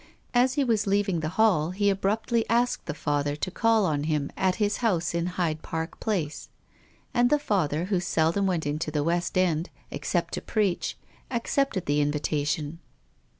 As he was leaving the hall he abruptly asked the Father to call on him at his house in Hyde Park Place. And the Father, who seldom went into the West End, except to preach, accepted the invitation.